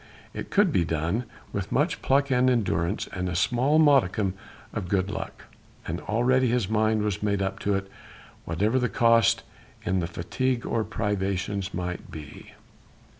It could be done with much pluck and endurance and a small modicum of good luck, and already his mind was made up to it, whatever the cost in fatigue or privations might be.